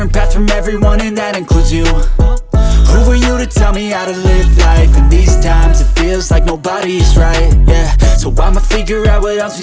nanti dia gak nangis lagi